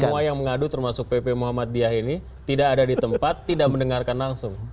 jadi semua yang mengadu termasuk pp muhammad diyah ini tidak ada di tempat tidak mendengarkan langsung